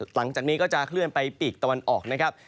หลังจากนี้ก็จะเคลื่อนไปปีกตะวันออกนะครับ